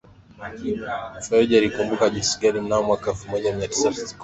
Khamis Fereji alikumbuka jinsi gani mnamo mwaka elfu moja mia tisa na kumi